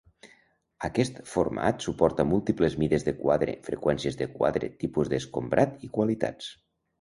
Aquest format suporta múltiples mides de quadre, freqüències de quadre, tipus d'escombrat i qualitats.